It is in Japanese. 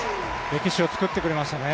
歴史を作ってくれましたね。